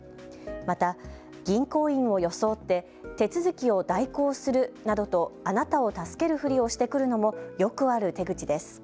また銀行員を装って手続きを代行するなどとあなたを助けるふりをしてくるのもよくある手口です。